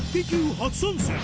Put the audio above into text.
初参戦